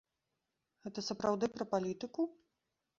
Гэта сапраўды пра палітыку?